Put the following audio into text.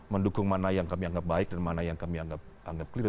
mendukung mana yang kami anggap baik dan mana yang kami anggap keliru